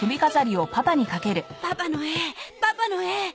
パパの絵パパの絵。